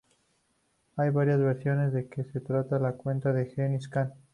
Hay varias versiones de que se trata de la cuna de Gengis Kan.